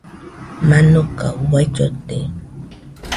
Nanoka uai llote.